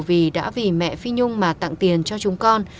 vì đã vì mẹ phi nhung mà tặng tiền cho chúng con